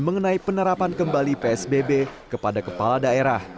mengenai penerapan kembali psbb kepada kepala daerah